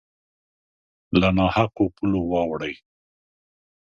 له نا حقو پولو واوړي